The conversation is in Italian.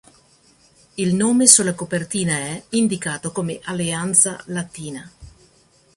Il nome sulla copertina è indicato come Alleanza Latina.